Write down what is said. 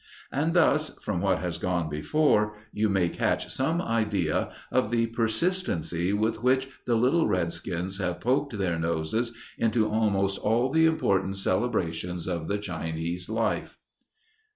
And thus, from what has gone before, you may catch some idea of the persistency with which the little redskins have poked their noses into almost all the important celebrations of the Chinese life.